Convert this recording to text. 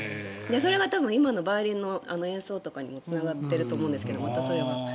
それが今のバイオリンの演奏とかにもつながってると思うんですけど。